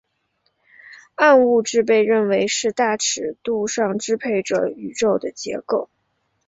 暗物质被认为是在大尺度上支配着宇宙的结构。